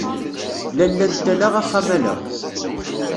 Lalla n tala axxam ala.